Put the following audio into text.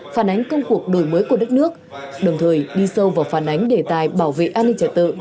phản ánh công cuộc đổi mới của đất nước đồng thời đi sâu vào phản ánh đề tài bảo vệ an ninh trật tự